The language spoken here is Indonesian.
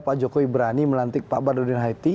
pak jokowi berani melantik pak badudin haiti